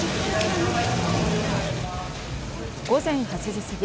午前８時過ぎ